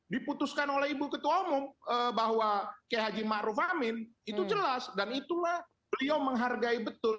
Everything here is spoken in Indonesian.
diputuskan oleh ibu ketua omong bahwa kehaji ma ruf amin itu jelas dan itulah beliau menghargai betul